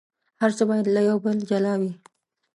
هر څه باید له یو بل جلا وي.